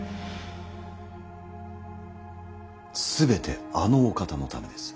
全てあのお方のためです。